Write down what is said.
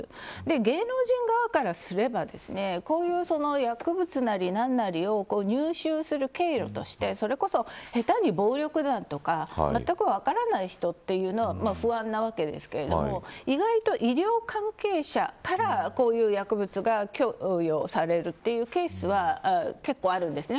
芸能人側からすればこういう薬物なり何なりを入手する経路としてそれこそ下手に暴力団とかまったく分からない人というのは不安なわけですけれども意外と医療関係者からこういう薬物が供与されるというケースは結構あるんですね。